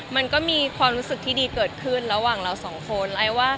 มันก็มีความรู้สึกที่ดีเกิดขึ้นระหว่างเราสองคน